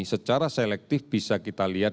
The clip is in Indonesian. secara selektif bisa kita lihat